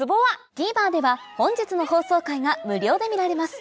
ＴＶｅｒでは本日の放送回が無料で見られます